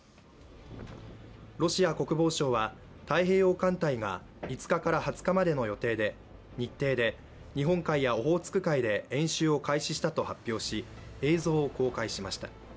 ロシア国防省は太平洋艦隊が５日から２０日までの日程で日本海やオホーツク海で演習を開始したと発表し映像を公開しました。